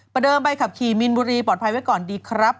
เดิมใบขับขี่มีนบุรีปลอดภัยไว้ก่อนดีครับ